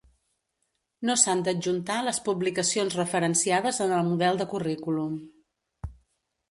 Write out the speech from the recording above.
No s'han d'adjuntar les publicacions referenciades en el model de currículum.